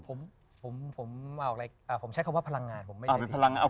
ผมผมผมเอาอะไรผมใช้คำว่าพลังงานผมไม่ใช่พลังงาน